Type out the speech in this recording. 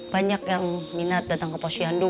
banyak yang minat datang ke pos cihandu